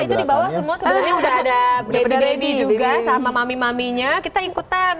itu di bawah semua sebenarnya udah ada baby baby juga sama mami maminya kita ikutan